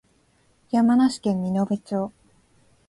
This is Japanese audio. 山梨県身延町